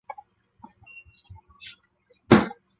香港电视播放频道列表